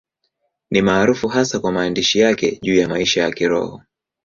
Ni maarufu hasa kwa maandishi yake juu ya maisha ya Kiroho.